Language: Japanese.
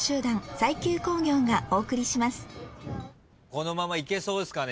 このままいけそうですかね？